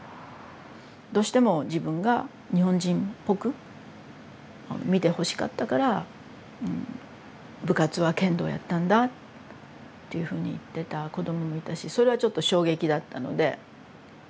どうしても自分が日本人っぽく見てほしかったから部活は剣道やったんだっていうふうに言ってた子どももいたしそれはちょっと衝撃だったので。